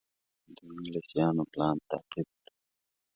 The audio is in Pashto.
د انګلیسیانو پلان تعقیب کړي.